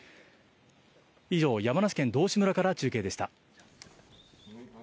以上、山梨県道志村から中継でした。